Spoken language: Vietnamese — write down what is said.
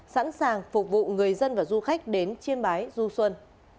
sẵn sàng phục vụ người dân và du khách đến chiêm bái du xuân